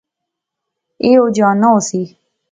ایہہ او جاننا ہوسی